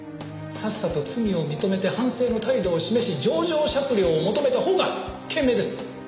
さっさと罪を認めて反省の態度を示し情状酌量を求めたほうが賢明です。